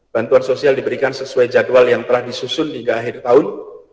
bantuan sosial diberikan sesuai jadwal yang telah disusun hingga akhir tahun